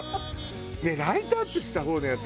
ライトアップした方のやつ。